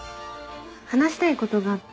話したいことがあって。